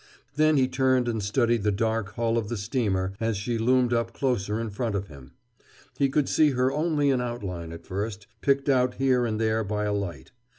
Then he turned and studied the dark hull of the steamer as she loomed up closer in front of him. He could see her only in outline, at first, picked out here and there by a light.